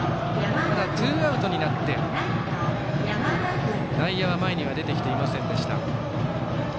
ツーアウトになって内野は前には出てきていませんでした。